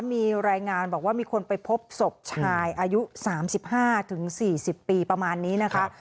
มีรายงานบอกว่ามีคนไปพบศพชายอายุ๓๕๔๐ปีประมาณนี้นะคะ